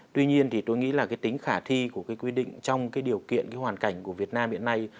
tuy nhiên tôi nghĩ tính khả thi của quy định trong điều kiện hoàn cảnh của việt nam hiện nay